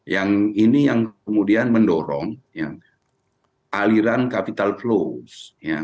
yang ini yang kemudian mendorong aliran capital flows